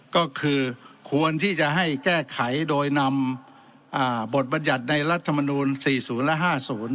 ก็คือควรที่จะให้แก้ไขโดยนำบทบรรยัติในรัฐมนูล๔๐และ๕๐